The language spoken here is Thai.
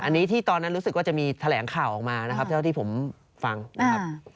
อันนี้ที่ตอนนั้นรู้สึกว่าจะมีแถลงข่าวออกมานะครับเท่าที่ผมฟังนะครับ